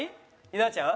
稲ちゃん？